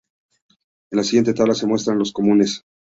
En la siguiente tabla se muestran los comunes.